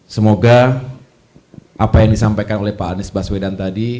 semoga apa yang disampaikan oleh pak anies baswedan tadi